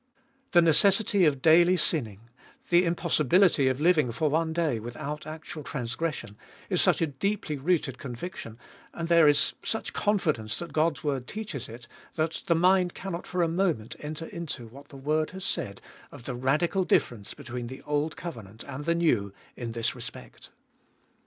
The necessity of daily sinning, the impossibility of living for one day without actual transgression is such a deeply rooted conviction, and there is such confidence that God's word teaches it, that the mind cannot for a moment enter into what the word has said of the radical difference between the old covenant and the new in this respect.